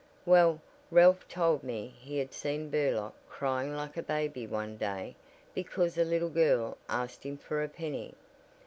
"Well, Ralph told me he had seen Burlock crying like a baby one day because a little girl asked him for a penny.